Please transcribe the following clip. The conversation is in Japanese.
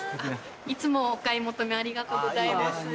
いつもお買い求めありがとうございます。